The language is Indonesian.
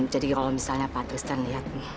jadi kalau misalnya pak tristan lihat